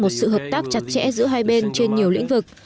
eu sẽ đề xuất một sự hợp tác chặt chẽ giữa hai bên trên nhiều lĩnh vực